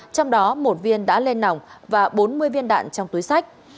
trong đó một viên đã lên nòng và bốn mươi viên đạn trong túi sách